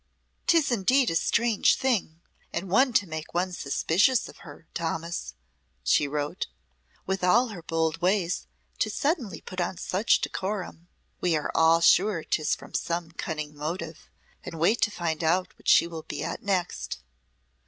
"'Tis indeed a strange thing, and one to make one suspicious of her, Thomas," she wrote, "with all her bold ways, to suddenly put on such decorum. We are all sure 'tis from some cunning motive, and wait to find out what she will be at next.